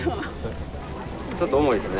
ちょっと重いすね。